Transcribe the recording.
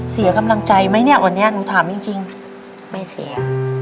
เสียกำลังใจไหมเนี่ยวันนี้หนูถามจริงไม่เสีย